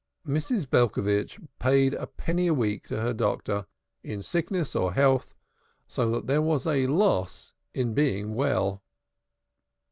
Mrs. Belcovitch paid a penny a week to her doctor, in sickness or health, so that there was a loss on being well.